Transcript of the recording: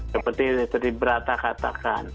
seperti yang tadi berata katakan